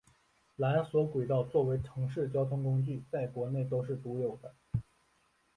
缆索轨道作为城市交通工具在国内都是独有的。